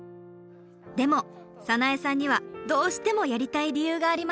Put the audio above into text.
でも早苗さんにはどうしてもやりたい理由がありました。